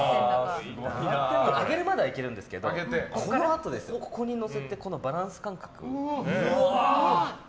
上げるまではいけるんですけどそのあと、ここに乗せてこのバランス感覚。